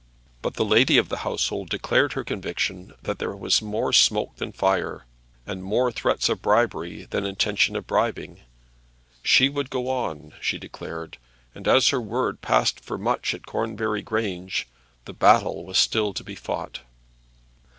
But the lady of the household declared her conviction that there was more smoke than fire, and more threats of bribery than intention of bribing. She would go on, she declared; and as her word passed for much at Cornbury Grange, the battle was still to be fought.